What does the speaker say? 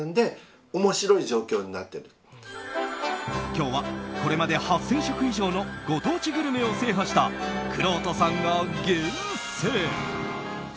今日は、これまで８０００食以上のご当地グルメを制覇したくろうとさんが厳選。